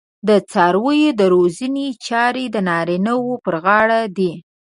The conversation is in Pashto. د څارویو د روزنې چارې د نارینه وو پر غاړه دي.